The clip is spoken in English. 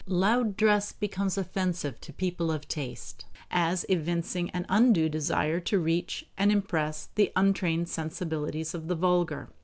"Loud" dress becomes offensive to people of taste, as evincing an undue desire to reach and impress the untrained sensibilities of the vulgar.